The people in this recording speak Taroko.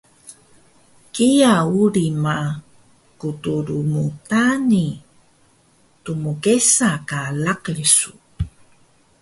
Kiya uri ma kdrmtani tmgesa ka laqi su